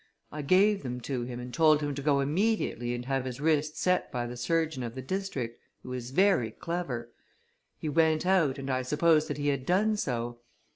I gave them to him, and told him to go immediately and have his wrist set by the surgeon of the district, who is very clever. He went out, and I supposed that he had done so.